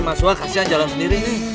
mas gwak kasih anjalan sendiri